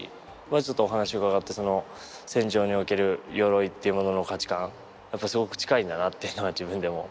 ちょっとお話伺って戦場における鎧っていうものの価値観やっぱすごく近いんだなっていうのは自分でも思いましたし。